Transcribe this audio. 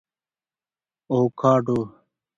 🥑 اوکاډو